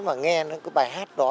mà nghe cái bài hát đó